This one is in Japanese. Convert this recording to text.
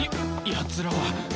やつらは。